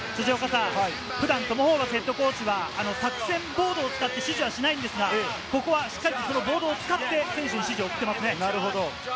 普段トム・ホーバスＨＣは作戦ボードを使って指示はしないんですが、ここはしっかりとボードを使って選手に指示を送っていますね。